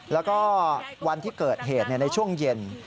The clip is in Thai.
แล้วก็วันที่เกิดเหตุในช่วงเย็น